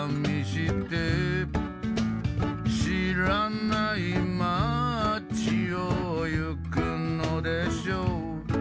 「知らない街をゆくのでしょう」